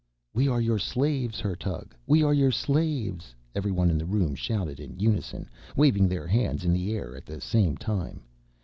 "We are your slaves, Hertug, we are your slaves," everyone in the room shouted in unison, waving their hands in the air at the same time.